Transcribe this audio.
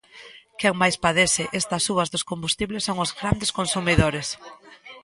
Quen máis padece estas subas dos combustibles son os grandes consumidores.